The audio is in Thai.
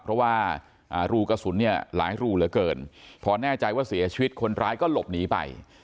เพราะว่ารูกระสุนเนี่ยหลายรูเหลือเกินพอแน่ใจว่าเสียชีวิตคนร้ายก็หลบหนีไป